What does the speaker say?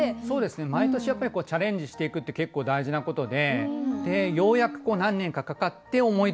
毎年やっぱりチャレンジしていくって結構大事なことでようやく何年かかかって思いどおりの歌が歌えたとかね